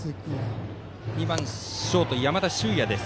打席には、２番ショート山田脩也です。